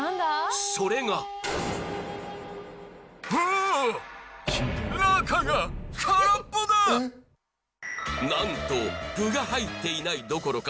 それがなんと具が入っていないどころか